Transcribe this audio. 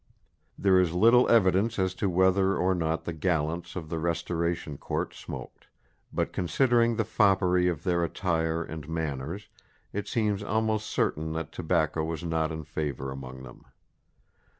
There is little evidence as to whether or not the gallants of the Restoration Court smoked; but considering the foppery of their attire and manners, it seems almost certain that tobacco was not in favour among them.